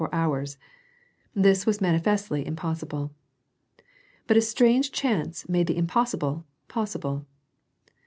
four hours : this was Dwnifestly impossible. Bat a strange chance made the impossible possible.